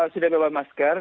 sudah bebas masker